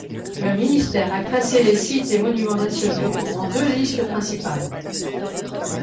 Le ministère a classé les sites et monuments nationaux en deux listes principales.